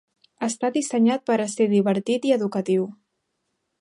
Està dissenyat per a ser divertit i educatiu.